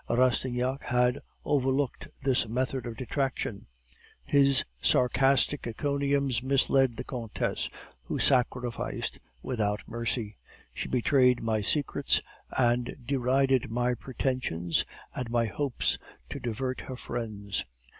Rastignac had overlooked this method of detraction. His sarcastic encomiums misled the countess, who sacrificed without mercy; she betrayed my secrets, and derided my pretensions and my hopes, to divert her friends.